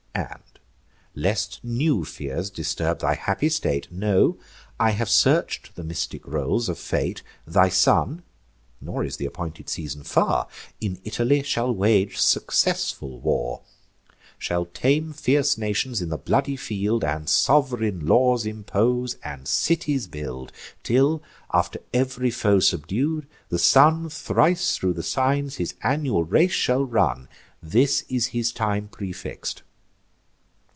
And, lest new fears disturb thy happy state, Know, I have search'd the mystic rolls of Fate: Thy son (nor is th' appointed season far) In Italy shall wage successful war, Shall tame fierce nations in the bloody field, And sov'reign laws impose, and cities build, Till, after ev'ry foe subdued, the sun Thrice thro' the signs his annual race shall run: This is his time prefix'd.